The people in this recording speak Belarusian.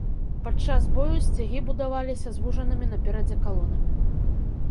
Падчас бою сцягі будаваліся звужанымі наперадзе калонамі.